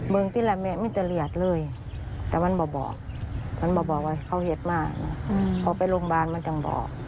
เบื้องที่แหลมเนี้ยไม่จะเรียดเลยแต่มันบอกบอกว่าเขาเหตุมากออกไปโรงพยาบาลมันก็บอก